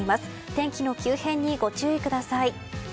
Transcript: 天気の急変にご注意ください。